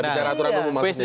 bicara aturan umum maksudnya